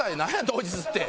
当日って。